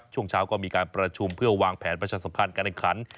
ช่วงเช้าก็มีการประชุมเพื่อวางแผนประชาสัมพันธ์การแข่งขัน